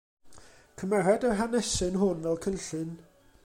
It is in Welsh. Cymered yr hanesyn hwn fel cynllun.